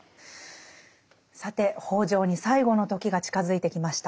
さて北條に最期の時が近づいてきました。